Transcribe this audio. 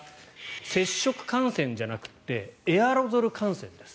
接触感染じゃなくてエアロゾル感染です。